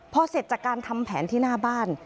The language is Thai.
พอเสร็จจากการทำแผนที่หน้าบ้าน